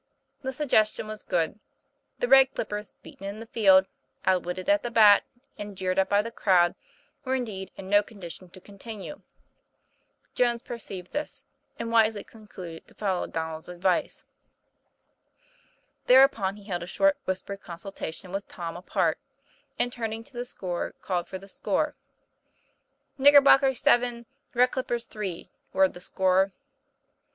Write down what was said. The suggestion was good; the Red Clippers, beaten in the field, outwitted at the bat, and jeered at by the crowd, were indeed in no condition to continue. Jones perceived this, and wisely con cluded to follow Donnel's advice. Thereupon he held a short whispered consultation with Tom, apart, and, turning to the scorer, called for the score. 'Knickerbockers, 7; Red Clippers, 3, "roared the scorer.